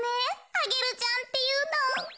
アゲルちゃんっていうの。